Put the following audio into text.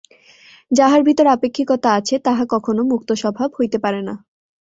যাহার ভিতর আপেক্ষিকতা আছে, তাহা কখনও মুক্তস্বভাব হইতে পারে না।